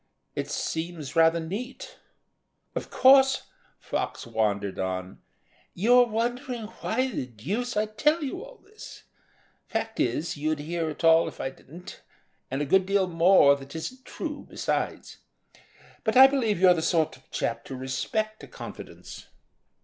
"It seems rather neat." "Of course," Fox wandered on, "you are wondering why the deuce I tell you all this. Fact is, you'd hear it all if I didn't, and a good deal more that isn't true besides. But I believe you're the sort of chap to respect a confidence."